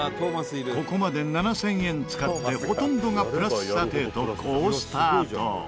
ここまで７０００円使ってほとんどがプラス査定と好スタート。